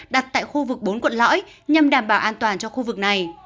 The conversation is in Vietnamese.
đặt tại khu vực bốn quận lõi nhằm đảm bảo an toàn cho khu vực này